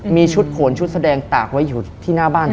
มีชุดโขนชุดแสดงตากไว้อยู่ที่หน้าบ้าน